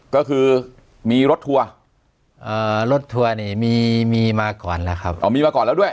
ก็คือมีรถทัวร์รถทัวร์นี่มีมีมาก่อนแล้วครับอ๋อมีมาก่อนแล้วด้วย